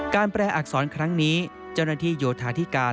แปลอักษรครั้งนี้เจ้าหน้าที่โยธาธิการ